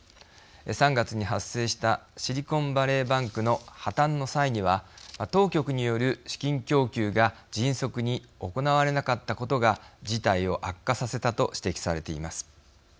３月に発生したシリコンバレーバンクの破綻の際には当局による資金供給が迅速に行われなかったことが事態を悪化させたと指摘されています。